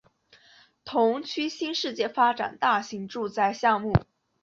同区新世界发展大型住宅项目